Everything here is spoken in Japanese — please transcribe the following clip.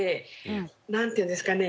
何て言うんですかね